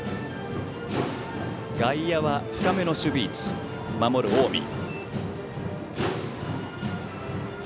外野は深めの守備位置守る近江。